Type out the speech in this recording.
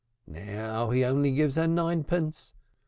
Now he only gives her ninepence.